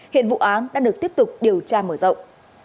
hiện vụ án đang được tiếp tục điều tra mở rộng